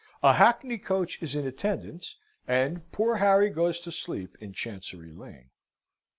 A hackney coach is in attendance, and poor Harry goes to sleep in Chancery Lane.